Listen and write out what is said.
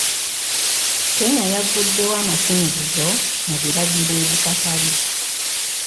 Kenya yaguddewo amasinzizo mu biragiro ebikakali.